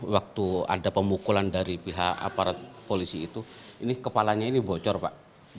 waktu ada pemukulan dari pihak aparat polisi itu ini kepalanya ini bocor pak